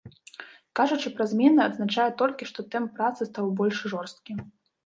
Кажучы пра змены, адзначае толькі, што тэмп працы стаў больш жорсткі.